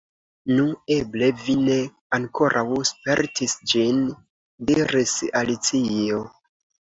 "Nu, eble vi ne ankoraŭ spertis ĝin," diris Alicio.